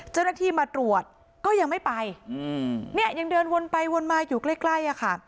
เจ้าหน้าที่มาตรวจก็ยังไม่ไปเนี่ยยังเดินวนไปวนมาอยู่ใกล้ใกล้อะค่ะ